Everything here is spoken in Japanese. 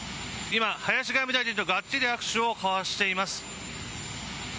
今、林外務大臣とがっちり握手を交わしています。